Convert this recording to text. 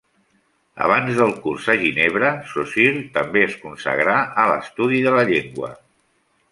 Abans del curs a Ginebra, Saussure també es consagrà a l'estudi de la llengua.